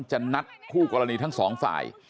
จะนัดคู่กรณีทั้งสองฝ่าย